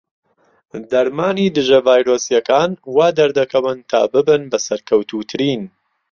دەرمانی دژە ڤایرۆسیەکان وادەردەکەون تا ببن بە سەرکەوتووترین.